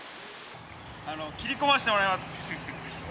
切り込ませてもらいます。